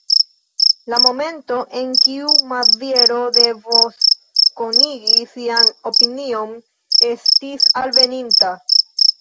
La momento, en kiu Maziero devos konigi sian opinion, estis alveninta.